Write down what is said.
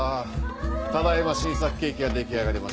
ただ今新作ケーキが出来上がりました。